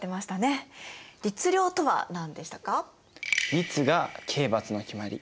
律が刑罰の決まり。